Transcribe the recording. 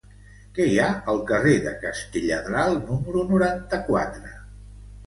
Què hi ha al carrer de Castelladral número noranta-quatre?